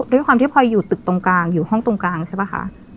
ด้วยความที่พลอยอยู่ตึกตรงกลางอยู่ห้องตรงกลางใช่ป่ะคะ